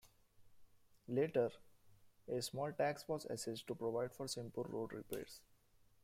Later, a small tax was assessed to provide for simple road repairs.